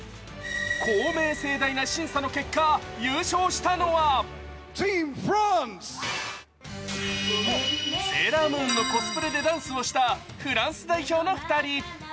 公明正大な審査の結果、優勝したのはセーラームーンのコスプレでダンスしたフランス代表の２人。